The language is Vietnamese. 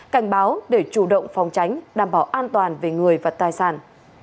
cảnh báo để chủ động phòng tránh đảm bảo an toàn về người và tài sản